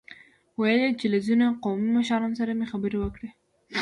ويل يې چې له ځينو قومي مشرانو سره مې خبرې وکړې.